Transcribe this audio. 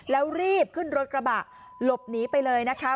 แล้วรีบขึ้นรถกระบะหลบหนีไปเลยนะคะ